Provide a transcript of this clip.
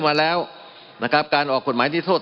มันมีมาต่อเนื่องมีเหตุการณ์ที่ไม่เคยเกิดขึ้น